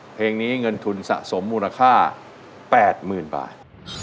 เพลงนี้เงินทุนสะสมมูลค่า๘๐๐๐บาท